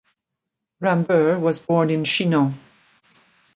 Rambur was born in Chinon.